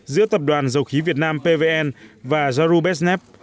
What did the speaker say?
giữa tập đoàn dầu khí việt nam pvn và zarubezhnev